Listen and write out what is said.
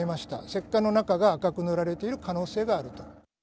石棺の中が赤く塗られている可能性があると。